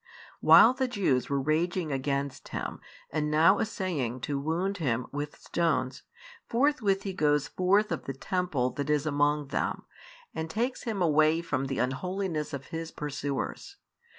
While the Jews were raging against Him and now essaying to wound Him with stones, forthwith He goes forth of the temple that is among them, and takes Him away from the unholiness of His pursuers.